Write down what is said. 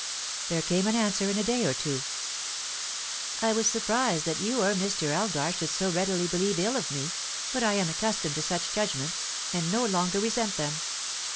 There came an answer in a day or two. "I was surprised that you (or Mr. Elgar) should so readily believe ill of me, but I am accustomed to such judgments, and no longer resent them.